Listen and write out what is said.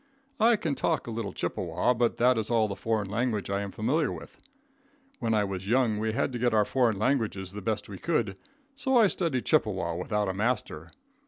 I can talk a little Chippewa, but that is all the foreign language I am familiar with. When I was young we had to get our foreign languages the best we could, so I studied Chippewa without a master.